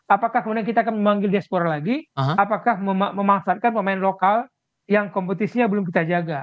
apakah kemudian kita akan memanggil diaspora lagi apakah memanfaatkan pemain lokal yang kompetisinya belum kita jaga